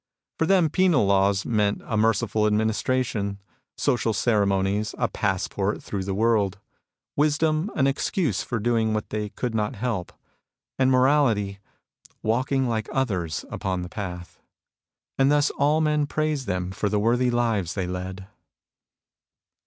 For them penal laws meant a merciful adminis tration ; social ceremonies, a passport through the world ; wisdom, an excuse for doing what they could not help ; and morality, walking like others upon the path. And thus all men praised them for the worthy lives they led.